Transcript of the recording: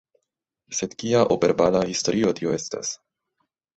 Sed kia operbala historio tio estas?